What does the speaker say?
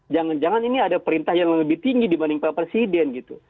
jangan jangan ini ada perintah yang lebih tinggi dibanding pak presiden gitu